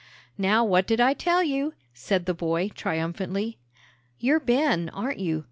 "Now, what did I tell you?" said the boy, triumphantly. "You're Ben, aren't you?"